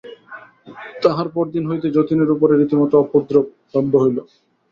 তাহার পরদিন হইতে যতীনের উপরে রীতিমত উপদ্রব আরম্ভ হইল।